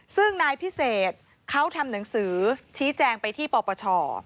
ซึ่งนายพิเศษเขาทำหนังสือชี้แจงไปที่ปปช